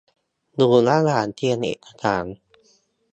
อยู่ระหว่างเตรียมเอกสาร